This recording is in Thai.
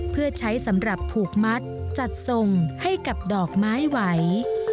เพื่อใช้สำหรับผูกมัดจัดทรงให้กับดอกไม้ไหว